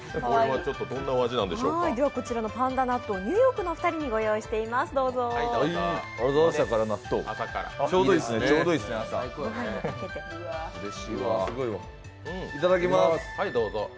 こちらのパンダ納豆、ニューヨークのお二人にご用意していますので、どうぞ。